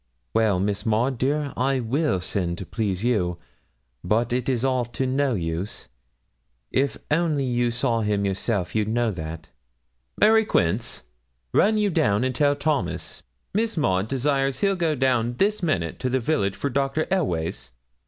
'Well, Miss Maud, dear, I will send to please you, but it is all to no use. If only you saw him yourself you'd know that. Mary Quince, run you down and tell Thomas, Miss Maud desires he'll go down this minute to the village for Dr. Elweys.'